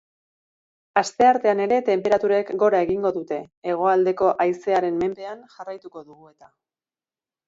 Asteartean ere tenperaturek gora egingo dute, hegoaldeko haizearen menpean jarraituko dugu eta.